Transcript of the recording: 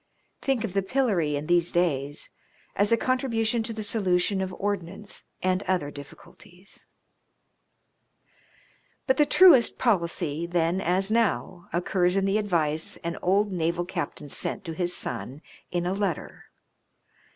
Think of the pillory in these days as a contribution to the solution of ordnance and other difficulties ! But the truest policy, then as now, occurs in the advice an old naval captain sent to his son in a letter.